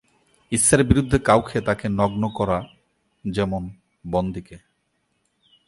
ইচ্ছার বিরুদ্ধে কাউকে তাকে নগ্ন করা যেমন- বন্দীকে।